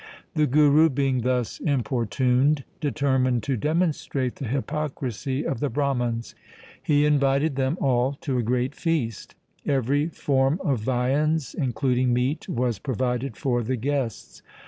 The Guru being thus impor tuned, determined to demonstrate the hypocrisy of the Brahmans. He invited them all to a great feast. Every form of viands, including meat, was provided for the guests.